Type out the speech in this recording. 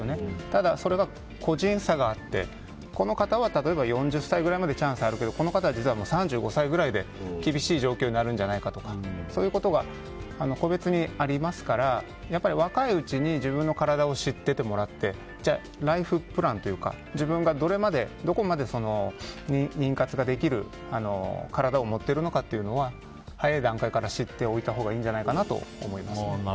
ただ、それが個人差があってこの方は例えば４０歳くらいまでチャンスがあるけどこの方は３５歳ぐらいまでで厳しい状況になるんじゃないかとかそういうことが個別にありますから若いうちに自分の体を知っててもらってライフプランというか自分がどこまで妊活ができる体を持っているのかというのは早い段階から知っておいたほうがいいんじゃないかなと思います。